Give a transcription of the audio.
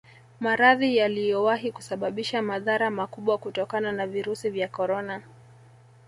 Maradhi yaliyowahi kusababisha madhara makubwa kutokana na virusi vya Corona